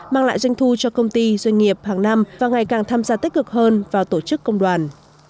mang lại doanh thu cho công ty doanh nghiệp hàng năm và ngày càng tham gia tích cực hơn vào tổ chức công đoàn